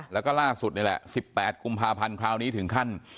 แล้วก็ล่าสุดนี่แหละ๑๘กุมภาพันธ์คราวนี้ถึงขั้น